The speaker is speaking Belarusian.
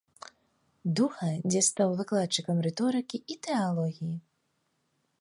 Духа, дзе стаў выкладчыкам рыторыкі і тэалогіі.